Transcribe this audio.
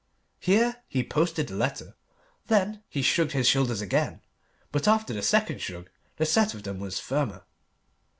Here he posted the letter. Then he shrugged his shoulders again, but after the second shrug the set of them was firmer.